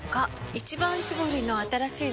「一番搾り」の新しいの？